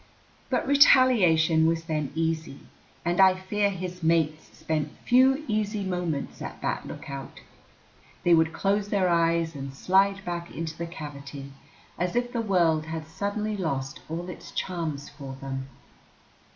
But retaliation was then easy, and I fear his mates spent few easy moments at that lookout. They would close their eyes and slide back into the cavity as if the world had suddenly lost all its charms for them.